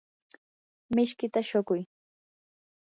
mishkita shuquy.